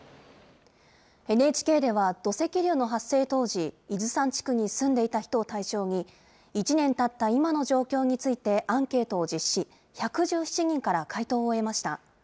ＮＨＫでは土石流の発生当時、伊豆山地区に住んでいた人を対象に、１年たった今の状況についてアンケートを実施、１１７人から回答を得ました。